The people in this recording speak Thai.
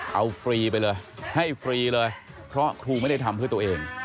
เอาฟรีไปเลยให้ฟรีเลยเพราะครูไม่ได้ทำเพื่อตัวเอง